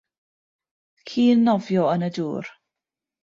Ci'n nofio yn y dŵr